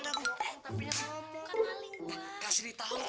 bukan paling gua